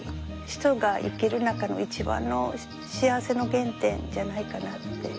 人が生きる中の一番の幸せの原点じゃないかなって。